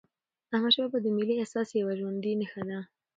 احمدشاه بابا د ملي احساس یوه ژوندي نښه وه.